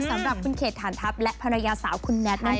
สำหรับคุณเขตฐานทัพและภรรยาสาวคุณแน็ตนั่นเอง